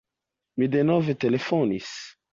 Mi denove telefonis.